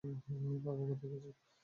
বাবু কোথায় গেছেন?